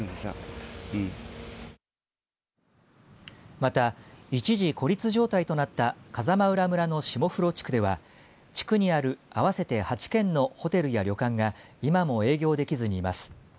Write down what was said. また、一時孤立状態となった風間浦村の下風呂地区では地区にあるあわせて８軒のホテルや旅館が今も営業できずにいます。